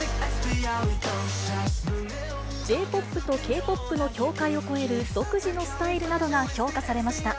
ＪーＰＯＰとＫ−ＰＯＰの境界を越える独自のスタイルなどが評価